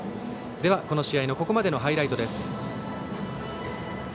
では、この試合のここまでのハイライトです。